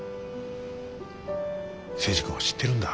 征二君は知ってるんだ。